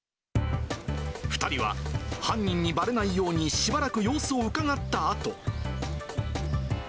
２人は犯人にばれないようにしばらく様子をうかがったあと。